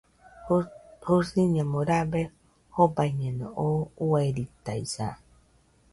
Jusiñamui rabe jobaiñeno, oo uairitaisa